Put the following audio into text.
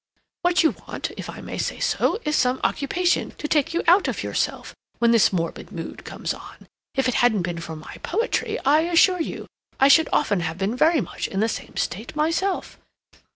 What you want, if I may say so, is some occupation to take you out of yourself when this morbid mood comes on. If it hadn't been for my poetry, I assure you, I should often have been very much in the same state myself.